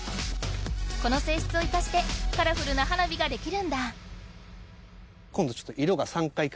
この性質を生かしてカラフルな花火が出来るんだ。